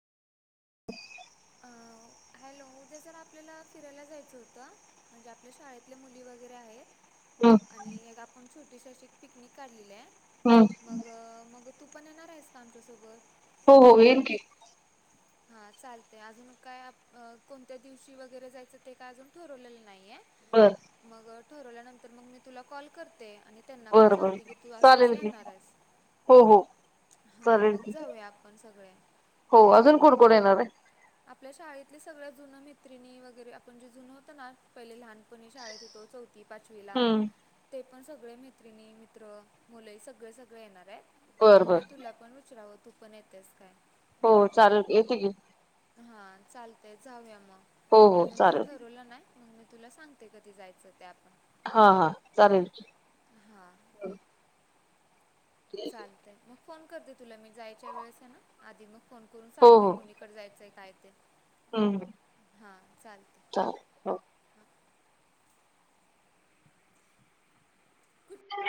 ह [inaudible] अ, हॅलो उद्या जरा आपल्याला फिरायला जायचं होतं म्हणजे आपल्या शाळेतले मुली वगैरे हम्म आहेत आणि एक आपण एक पिकनिक काढलेली आहे हम्म मग मग तू पण येणार आहेस का आमच्यासोबत हो हो येल की हा चालत अजून काय कोणत्या दिवशी वगैरे जायचं ते काय अजून ठरवलेलं नाहीय बर मग ठरवल्यानंतर मग मी तुला कॉल करते, आणि त्यांना पण बर बर सांगते की, तू अस अस चालेल की येणार आहेस हो हो हा चालेल मग की जाऊया आपण सगळे. कोन येणार आहे? आपल्या शाळेतले सगळ्या जुन मैत्रिणी वगैरे आपण जे जुन होत ना पहिले लहानपणी शाळेत होेतो चौथी. पाचवीला. हम्म ते पण सगळे मैत्रिणी मित्र मुले सगळे सगळे येणार आहेत. बर म्हटलं बर तुला पण विचराव. तू पण येतेस काय? हो चालल की येते की. हा चालतय जाऊया हो मग हो अजून को चालेल ठरवलं नाही. मग मी तुला सांगते कधी जायचं त्या हा हा चालेल चालतय मग फोन करते तुला मी जायच्या वेळेस आहे ना, आधी मग फोन करून हो सांगते, हो कुणीकडे जायचंय काय. ते हम्म हां चालते